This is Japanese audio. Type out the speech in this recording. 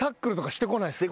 してこないです